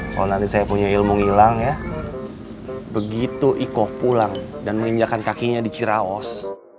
kalau nanti saya punya ilmu hilang ya begitu iko pulang dan menginjakan kakinya di ciraos